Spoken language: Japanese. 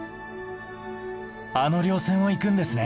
あの稜線を行くんですね。